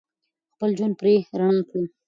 خپل ژوند پرې رڼا کړو.